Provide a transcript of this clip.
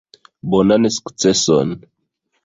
Bonan sukceson!